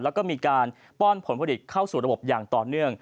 แล้วก็มีการป้อนผลผลิตเข้าสู่ระบบอย่างต่อเนื่อง